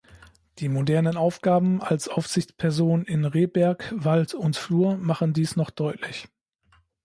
Die modernen Aufgaben als Aufsichtsperson in Rebberg, Wald und Flur machen dies noch deutlich.